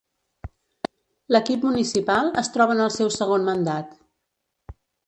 L'equip municipal es troba en el seu segon mandat.